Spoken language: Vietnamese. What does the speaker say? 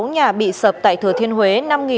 sáu nhà bị sập tại thừa thiên huế